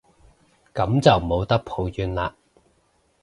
噉就冇得抱怨喇